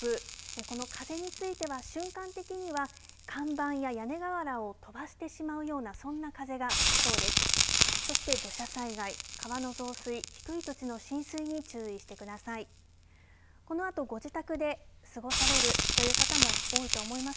この風については瞬間的には看板や屋根がわらを飛ばしてしまうようなそんな風が吹きそうです。